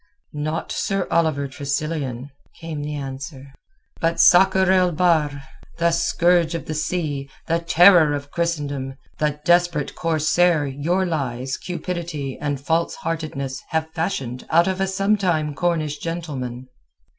"Not Sir Oliver Tressilian, came the answer, but Sakr el Bahr, the scourge of the sea, the terror of Christendom, the desperate corsair your lies, cupidity, and false heartedness have fashioned out of a sometime Cornish gentleman."